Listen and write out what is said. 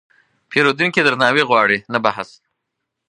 پیرودونکی درناوی غواړي، نه بحث.